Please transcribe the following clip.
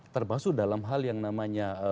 termasuk dalam hal yang namanya